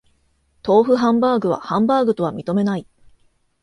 豆腐ハンバーグはハンバーグとは認めない